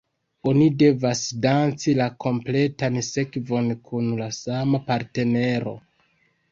Oni devas danci la kompletan sekvon kun la sama partnero.